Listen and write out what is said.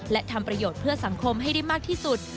และทำประโยชน์เพื่อสังคมให้ได้มากที่สุด